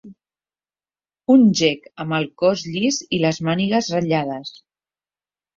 Un gec amb el cos llis i les mànigues ratllades.